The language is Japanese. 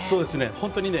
本当にね